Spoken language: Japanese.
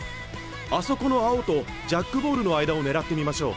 あそこの青とジャックボールの間を狙ってみましょう。